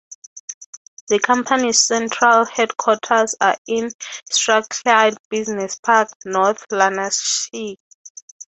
The company's central headquarters are in Strathclyde Business Park, North Lanarkshire.